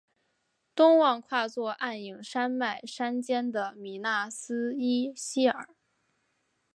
东望跨坐黯影山脉山肩的米那斯伊希尔。